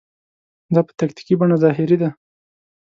دا په تکتیکي بڼه ظاهري ده.